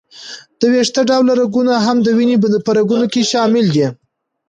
د وېښته ډوله رګونه هم د وینې په رګونو کې شامل دي.